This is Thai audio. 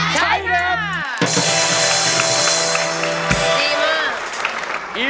ใช้